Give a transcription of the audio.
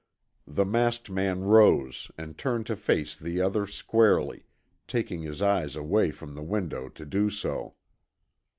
The masked man rose and turned to face the other squarely, taking his eyes away from the window to do so.